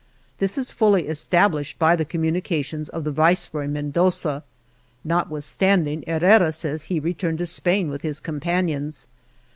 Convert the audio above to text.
This is fully established by the communications of the Viceroy, Mendoza, notwithstanding Her rera says he returned to Spain with his companions.